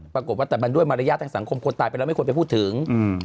ปรากฏว่าแต่มันด้วยมารยาททางสังคมคนตายไปแล้วไม่ควรไปพูดถึง